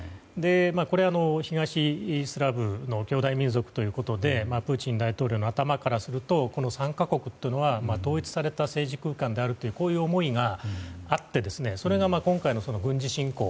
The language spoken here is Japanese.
東スラブの兄弟民族ということでプーチン大統領の頭からするとこの３か国というのは統一された政治空間であるという思いがあってそれが今回の軍事侵攻